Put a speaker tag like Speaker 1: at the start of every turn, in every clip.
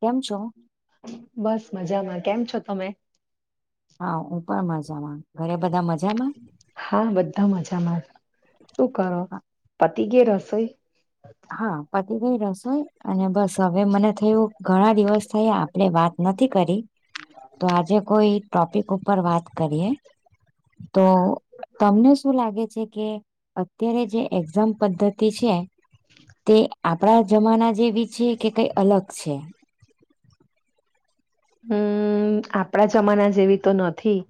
Speaker 1: કેમ છો?
Speaker 2: બસ મજામાં કેમ છો તમે?
Speaker 1: હા હું પણ મજા માં ઘરે બધા મજામાં
Speaker 2: હા બધા મજામાં શું કરો
Speaker 1: હા
Speaker 2: પતિ ગેરસોઈ
Speaker 1: હા પતિભાઈ રસોઈ અને બસ હવે મને થયું ઘણા દિવસ થયા આપ એટલે વાત નથી કરી તો આજે કોઈ ટોપિક ઉપર વાત કરીએ. તો તમને શું લાગે છે કે અત્યારે જે એક્ઝામ પદ્ધતિ છે. તે આપણા જમાના જેવી છે કે કઈ અલગ છે.
Speaker 2: હમ્મ આપણા જમાના જેવી તો નથી.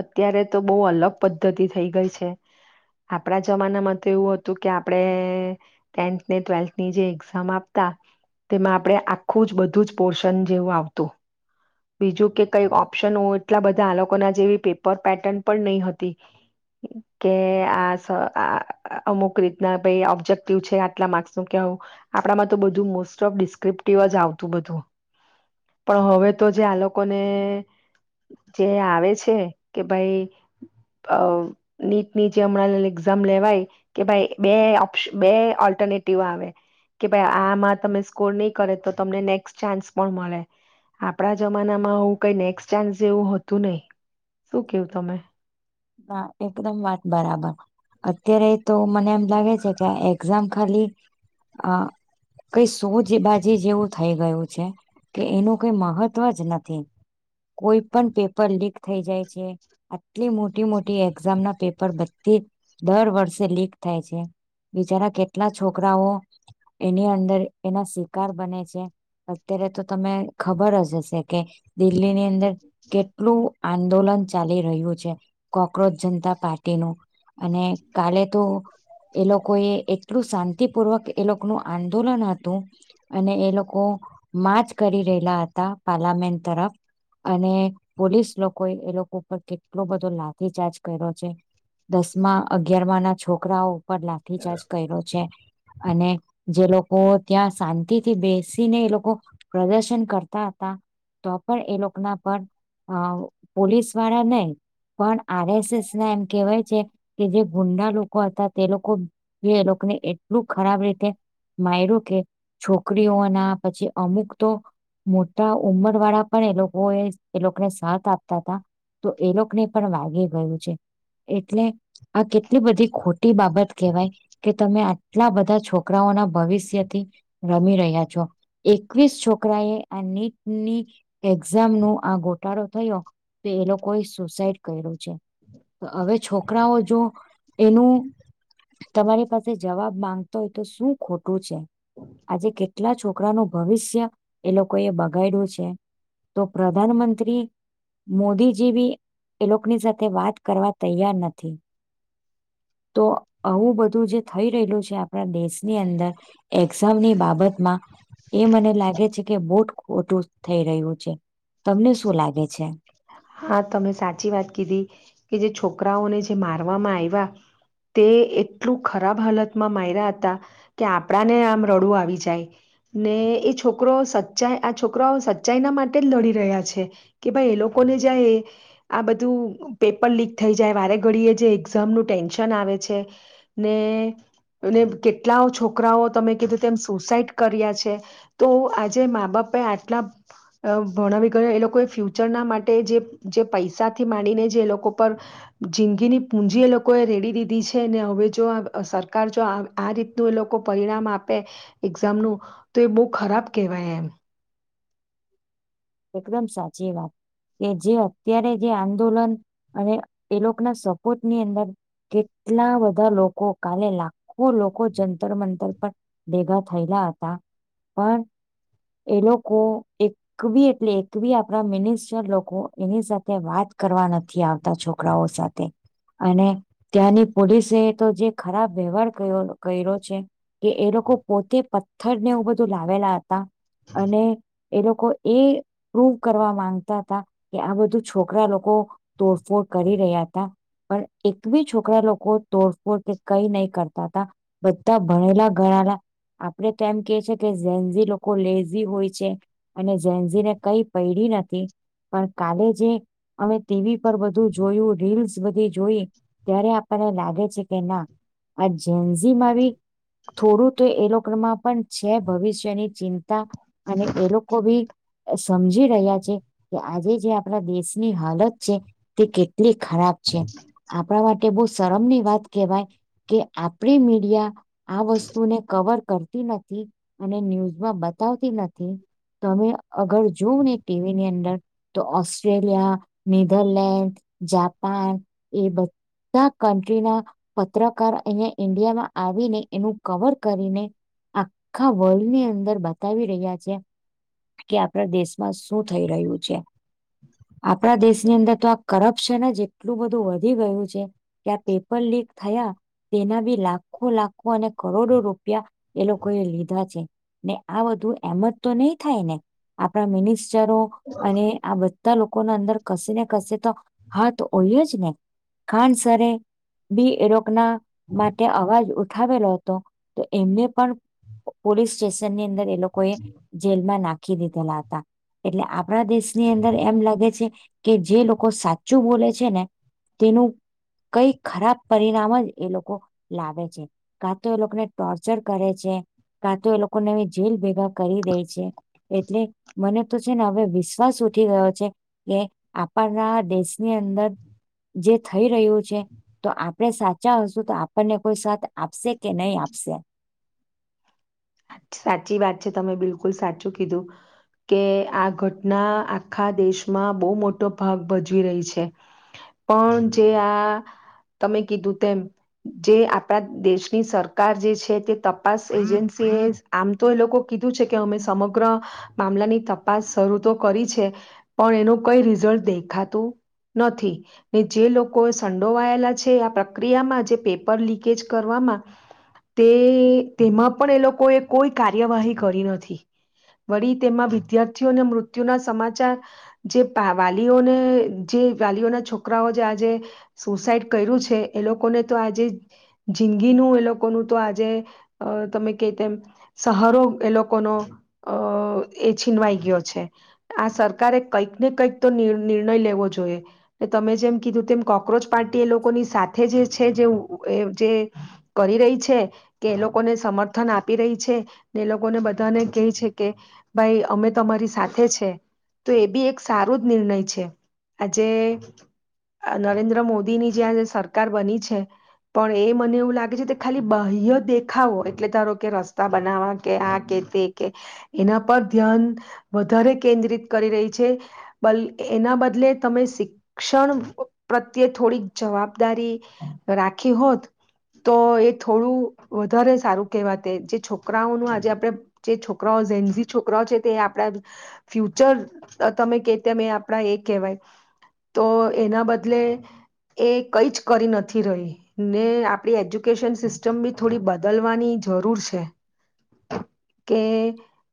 Speaker 2: અત્યારે તો બહુ અલગ પદ્ધતિ થઇ ગઈ છે. આપણા જમાનામાં તો એવું હતું કે આપડે ટેન્થ ને ટ્વેલ્થ ની જે એક્ઝામ આપતા તેમાં આપડણે આખું જ બધું જ પોર્શન જેવું આવતું બીજું કે કઈ ઓપ્શન એટલા બધા આ લોકોના જેવી પેપર પેટર્ન પણ નહી હતી. [inaudible] કે આ અમુક રીતના ઓબ્જેક્ટિવ છે આટલા માર્સ નું કે આપણામાં તો બધું મોસ્ટ ઓફ ડિસ્ક્રિપ્ટિવ જ આવતું બધું પણ હવે તો જે આ લોકો ને જે આવે છે કે ભાઈ અ નીટની જે હમણાં એક્ઝામ લેવાય કે ભાઈ બે ઓપ્ બે ઓલ્ટરનેટિવ આવે કે ભાઈ આમાં તમે સ્કોર નહી કરે તો તમને નેક્સ્ટ ચાન્સ પણ મળે આપણા જમાનમા હુ, કઈ નેક્સ્ટ ચાન્સ જેવું હતું નહીિ શું કેવુ તમે
Speaker 1: હા એકદમ વાત બરાબર અત્યારે તો મને એમ લાગે છે કે એક્ઝામ ખાલી અ કઈ સોજ બાજી જેવું થઇ ગયું છે કે એનું કઈ મહત્વ જ નથી કોઈ પણ પેપર લીક થઈ જાય છે આટલી મો મોટી મોટી એક્ઝામ ના પેપર બધી દર વર્ષે લીક થાય છે. બિચારા કેટલા છોકરાઓ એની અંદર એના શિકાર બને છે. અત્યારે તો તમે ખબર જ હશે કે દિલ્હીની અંદર કેટલું આંદોલન ચાલી રહ્યું છે કોક્રજ જનતા પાર્ટીનુંું અને કાલે તો એ લોકો એ એટલું શાંતિપૂર્વક એ લોકોનું આંદોલન હતું અને એ લોકો માંજ કરી રહેલા હતા પાર્લામેન્ટ તરફ, અને પોલીસ લોકો એ લોકો પર કેટલો બધો લાભ રીચાર્જ કર્યો છે દસમાં અગિયારમાં ના છોકરાઓ પણ લાઠીચાર્જ કર્યો છે અને જે લોકો ત્યાં શાંતિ થી બેસીને એ લોકો પ્રદર્શન કરતા હતા તો પણ એ લોકો ના પર હ પોલીસ વાળા નને પણ આર એસ એસ ના એમ કેહેવાય છે કે જે ગુંડા લોકો હતા તે લોકો જે લોકોને એટલું ખરાબ રીતે મા એરું કે છોકરીઓના પછી અમુક તો મોટા ઉંમર વાળા પણ એ લોકો એ એ લોકોને સાથ આપતા હતા તો એ લોકોને પણ વાગી ગયું છે એટલે આ કેટલી બધી ખોટી બાબત કહેવાય. કે તમે આટલા બધા છોકરાઓના ભવિષ્યથી રમી રહ્યા છો એકવીસ છોકરા એ આ નીટની એક્ઝામ નું આ ગોટાળો થયો તો એ લોકોએ સુસાઈડ કર્યું છે હવે છોકરાઓ જો એનું, તમારી પાસે જવાબ માંગતો હોય તો શું ખોટું છે આજે કેટલા છોકરાનુંું ભવિષ્ય એ લોકો એ બગાડ્યું છે તો પ્રધાનમંત્રી મોદીજી ભી એ લોકોની સાથે વાત કરવા તૈયાર નથી તો આવું બધું જે થઈ રહેલું છે આપણા દેશની અંદર એક્ઝામ ની બાબત માં એ મને લાગે છે કે બોટ ખોટું થઈ રહ્યું છે તમને શું લાગે છે
Speaker 2: હા તમે સાચી વાત કીધી કે જે છોકરાઓને જે મારવામાં આવ્યા તે એટલું ખરાબ હાલતમાં મારર્યા હતા કે આપણા ને આમ રડું આવી જાય ને એ છોકરો સચ્ચાઈ આ છોકરાઓ સચ્ચાઈ ના માટે જ લડી રહ્યા છે. કે ભાઈ એ લોકો ને જ એ આ બધું પેપર લીક થઈ જાય વારે ઘડીએ જે એક્ઝામનું ટેન્શન આવે છે. ને કેટલા છોકરાઓ તમે કીધું તેમ સુસાઈડ કર્યા છે તો આજે મા બાપ એ આટલા ભણાવ ગયા એ લોકો ફ્યુચર ના માટ જે પૈસા થી માંડીને જે એ લોકો પર જિંદગીની પૂંજી એ લોકોએ રેડી દીધી છે ને હવે જો સરકાર જો આ આ રીતનું એ લોકો પરિણામ આપે એક્ઝામનું તો એ બહુ ખરાબ કહેવાય એમ.
Speaker 1: એકદમ સાચી વાત કે જે અત્યારે જે આંદોલન અને એ લોકોના સપોર્ટ ની અંદર, કેટલા બધા લોકો કાલે લાખો લોકો જંતર મંતર પર, ભેગા થયેલા હતા પણ એ લોકો એક બી. એટલે એક બી આપડા મિનિસ્ટર લોકો એની સાથે વાત કરવા નથી આવતી. છોકરાઓ સાથે. અને ત્યાંની પોલીસે તો જે ખરાબ વ્યવહાર કર્યો છે. કે એ લોકો પોતે પથ્થર ને એવ બધું લાવેલા હતા. અને એ લોકો એ. [unintelligible] કરવા માંગતા હતા કે આ બધું છોકરા લોકો તોડફોડ કરી રહ્યા હતા. પણ એક બી છોકરા લોકો તોડફોડ કે કઈ નહીં કરતા હતા. બધા ભણેલા ગણાલા. આપડણે તેમ કે છે, કે [unintelligible] લોકો લેઝી હોય છે અને જેન્ઝને. કઈ પડી નથી પણ કાલે જે. અમે ટીવી પર બધું જોયું રીલ્સ બધી જોઈ. ત્યારે આપણને લાગે છે, કે ના આ જેન્ઝમ [unintelligible] થોડું તો એ લોકોમાં પણ છે, ભવિષ્યની ચિંતા અને એ લોકો ભી. સમજી રહ્યા છે, કે આજે જે આપણા દેશની હાલત. તે કેટલી ખરાબ છે, આપણા માટે બહ શરમની વાત કેહેવાય. કે આપડી મીડિયા. આ વસ્તુને કવર કરતી નથી અને ન્યૂઝમાં બતાવતી નથી. તમે અગર જોવં ને ટીવી ની અંદર તો ઓસ્ટ્રેલિયા નીધરલેન્ડ જાપાન એ બધા કન્ટ્રીના પત્રકાર અહિયાં ઈન્ડિયામાં આવીને એનું કવર કરીને આખા વર્લ્ડ ની અંદર બતાવી રહ્યા છે. કે આપણા દેશમાં શું થઈ રહ્યું છે. આપણા દેશની અંદર તો આ કરપ [unintelligible] એટલું બધું વધી ગયું છે, કે પેપર લીક થયા તેના બી લાખો લાખો અને કરોડો રૂપિયા એ લોકો એ લીધા છે. ને આ બધું એમત તો નહી થાય ને આપણા મિનિસ્ટરો અને આ લોકો ના અંદર કશે ને કશે તો હાથ હોય જ ને. ખાનસરે બી એલોકના માટે અવાજ ઉઠાવેલો હતો. તો એમને પણ પોલીસ સ્ટેશનની અંદર એ લોકો એ જેલમાં નાખ [unintelligible] દીધેલા હતા એટલે આપણા દેશની અંદર એમ લાગે છે. કે જે લોકો સાચું બોલે છે, ને તેનું કઈ ખરાબ પરિણામ જ એ લોકો લાવે છે. કાં તો એ લોકોને ટોર્ચર કરે છે, કાં તો એ લોકોને જેલ ભેગા કરી દે છે. એટલે મને તો છે, ને હવે વિશ્વાસ ઉઠી ગયો છે. કે આપણના દેશની અંદર જે થઈ રહ્યું છે. તો આપણેે સાચા હશું તો આપણને કોઈ સાથ આપશે કે નહી આપશે.
Speaker 2: સાચી વાત છે, તમે બિલકુલ સાચું કીધું. કે આ ઘટના આખા દેશમાં બહુ મોટો ભાગ ભજવી રહી છે. પણ જે આ તમે કીધું તેમ જે આપણા દેશની સરકાર જે છે, તે તપાસ એજન્સી એ આમ તો એ લોકો કીધું છે, કે અમે સમગ્ર મામલાની તપાસ શરૂ તો કરી છે. પણ એનું કઈ રિઝલ્ટ દેખાતું નથી. ને જે લોકો સંડોવાયેલા છે, આ પ્રક્રિયામાં જે પેપર લીકેજ કરવામાં તે તેમાં પણ એ લોકોએ કોઈ કાર્યવાહી કરી નથી. વળી તેમાં વિદ્યાર્થીઓને મૃત્યુના સમાચાર. જે વાલીઓને જે વાલીઓના છોકરાઓ જે આજે સુસાઈડ કર્યું છે, એ લોકોને તો આજે જિંદગીનું એ લોકોનું તો આજે અ તમે ક તેમ સહરો એ લોકોનો અ એ છીનવાઈ ગયો છે. આ સરકારે કંઈક ને કંઈક તો નિર્ણય લેવો જોઈએ. તમે જેમ કીધું તેમ કોક્રોચ પાર્ટી એ લોકોની સાથે જે છે જે જે કરી રહી છે કે એ લોકોને સમર્થન આપી રહી છે ને લોકોને બધાને કે છે કે ભાઈ અમે તો અમારી સાથે છે. તો એ બી એક સારો જ નિર્ણય છે આજે નરેન્દ્ર મોદી ની જ્યાં જે સરકાર બની છે. પણ એ મને એવું લાગે છે કે ખાલી બાહ્ય દેખાવો એટલે તારો કે રસ્તો રસ્તા બનાવા કે આ કે દે કે એના પર ધ્યાન વધારે કેન્દ્રિત કરી રહી છે. બ એના બદલે તમે ક્ષણ પ્રત્યે થોડીક જવાબદારી રાખી હોત તો એ થોડું વધારે સારું કેહેવા તે છોકરાઓનું આજે આપડણે જે છોકરાઓ ઝનઝ છોકરાઓ છે તે આપણે ફ્યુચર તમે કે તેમ એ આપડા એ કહેવાય. તો એના બદલે એ કઈ જ કરી નથી રહી. ને આપડી એજ્યુકેશન સિસ્ટમ બી થોડી બદલવાની જરૂર છે. કે,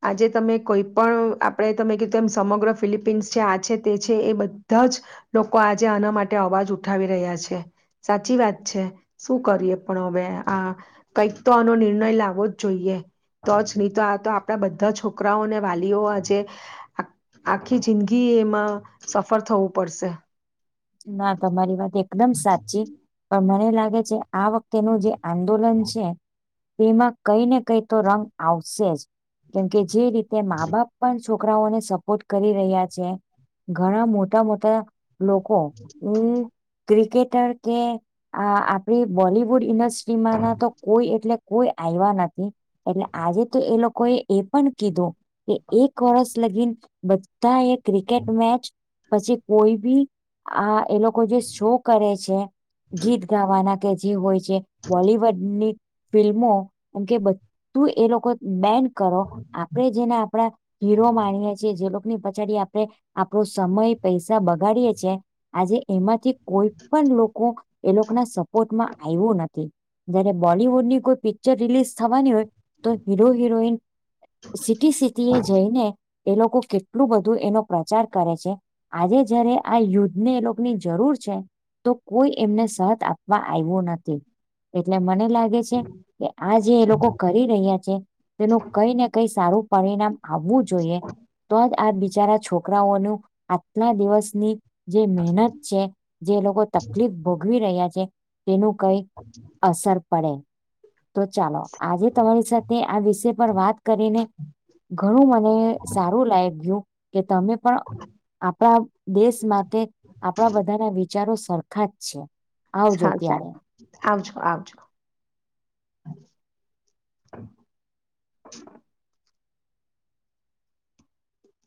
Speaker 2: આજે તમે કોઈ પણ આપણે તમે કીધધું એમ સમગ્ર ફિલિપિન્સ જે આ છે તે છે એ બધા જ લોકો આજે આના માટે અવાજ ઉઠાવી રહ્યા છે સાચી વાત છે. શું કરીએ પણ હવે આ કઈક તો આનો નિર્ણય લાવો જ જોઈએ તો જ નહી તો આ તો આપણા બધા છોકરાઓને વાલીઓ આજે આખી જિંદગી એમાં સફર થવું પડશે.
Speaker 1: ના તમારી વાત એકદમ સાચી પણ મને લાગે છે આ વખ તેનું જે આંદોલન છે. તેમાં કઈ ને કઈ તો રંગ આવશે જ કેમકે જે રીતે મા બાપ પણ છોકરાઓને સપોર્ટ કરી રહ્યા છે ઘણા મોટા મોટા લોકો હમ્મ ક્રિકેટર કે આ આપડી બોલિવુડ ઇન્ડસ્ટ્રીમાં ના તો કોઈ એટલે કોઈ આવ્યા નથી. પણ આજે તો એ લોકોએ એ પણ કીધું કે એક વર્ષ લગીન બધા એક ક્રિકેટ મેચ પછી કોઈ બી આ એ લોકો જે શો કરે છે. ગીત ગાવાના કે જે હોય છે બોલીવડની ફિલ્મો કેમ કે બધું એ લોકો બેન કરો આપણે જેના આપણા હીરો માણીએ છીએ જે લોકો ની પછાડી આપણે આપણો સમય પૈસા બગાડીએ છીએ આજે એમાંથી કોઈ પણ લોકો એ લોકો ના સપોર્ટમાં આયવુ નથી જયારે બોલીવુડ ની કોઈ પિક્ચર રિલીઝ થવાની હોય તો હીરો હિરોઈન સિટી સિટી એ જઈને એ લોકો કેટલું બધું એનો પ્રચાર કરે છે આજે જયારે આ યુદ્ધ એને એલોકની જરૂર છે તો કોઈ એમને સાથ આપવા આયવો નથી. એટલે મને લાગે છે કે આ જે એ લોકો કરી રહ્યા છે. તેનું કઈ ને કઈ સારું પરિણામ આવવું જોઈએ તોજ આ બિચારા છોકરાઓનું આટલા દિવસની જે મહેનત છે જે લોકો તકલીફ ભોગવી રહ્યા છે. તેનું કંઈક અસર પડે તો ચાલો આજે તમારી સાથે આ વિષય પર વાત કરીને ઘણું મને સારું લાય ગ્યું. કે તમે પણ આપણા દેશ માટે આપણા બધાના વિચારો સરખા જ છે.
Speaker 2: હ
Speaker 1: આવજો
Speaker 2: સારુ
Speaker 1: ત્યારે
Speaker 2: આવજો આવજો.